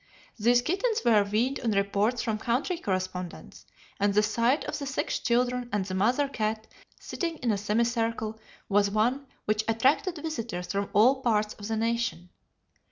These kittens were weaned on reports from country correspondents, and the sight of the six children and the mother cat sitting in a semicircle was one which attracted visitors from all parts of the nation.